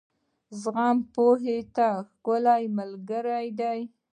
زغم، پوهې ته ښه ملګری دی.